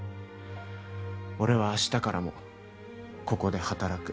俺は明日からもここで働く。